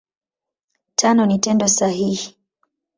Tano ni Tendo sahihi.